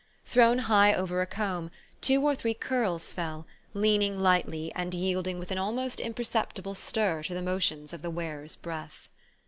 Thrown high over a comb, two or three curls fell, leaning lightly, and yielding with an almost imperceptible stir to the motions of the wearer's breath.